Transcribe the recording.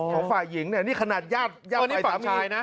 ของฝ่ายหญิงเนี่ยนี่ขนาดญาติฝั่งสามี